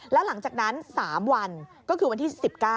แล้วหลังจากนั้น๓วันก็คือวันที่๑๙